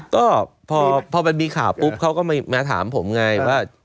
ก็พอมันมีข่าวปุ๊บเขาก็มาถามผมไงว่า